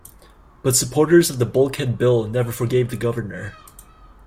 But, supporters of the Bulkhead Bill never forgave the governor.